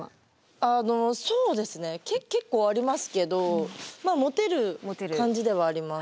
あのそうですね結構ありますけどまあ持てる感じではあります。